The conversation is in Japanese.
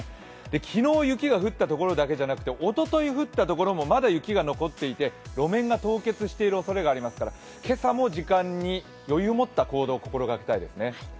昨日雪が降ったところだけじゃなくておととい降ったところもまだ雪が残っていて路面が凍結しているおそれがありますから、今朝も時間に余裕を持った行動を心掛けたいですね。